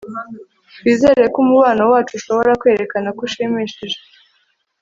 Twizere ko umubano wacu ushobora kwerekana ko ushimishije